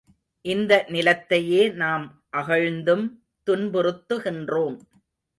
இந்த நிலத்தையே நாம் அகழ்ந்தும் துன்புறுத்துகின்றோம்.